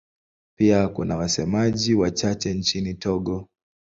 Pia kuna wasemaji wachache nchini Togo.